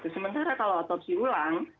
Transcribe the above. sementara kalau otopsi ulang